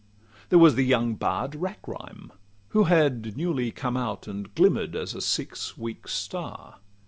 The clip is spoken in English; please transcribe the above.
There was the young bard Rackrhyme, who had newly Come out and glimmer'd as a six weeks' star.